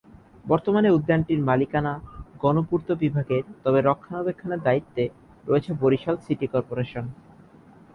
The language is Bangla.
বর্তমানে উদ্যানটির মালিকানা গণপূর্ত বিভাগের, তবে রক্ষণাবেক্ষণের দায়িত্বে রয়েছে বরিশাল সিটি কর্পোরেশন।